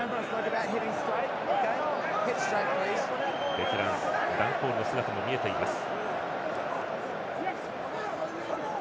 ベテラン、ダン・コールの姿も見えていました。